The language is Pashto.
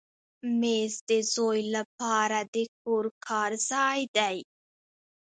مېز د زوی لپاره د کور کار ځای دی.